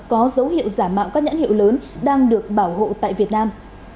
có dấu hiệu giả mạo các nhãn hiệu lớn đang được bảo hộ tại việt nam